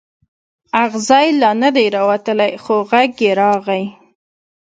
اغزی لا نه دی راوتلی خو غږ یې راغلی.